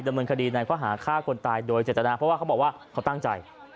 ดำเนินคดีในข้อหาฆ่าคนตายโดยเจตนาเพราะว่าเขาบอกว่าเขาตั้งใจ